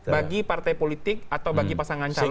bagi partai politik atau bagi pasangan calon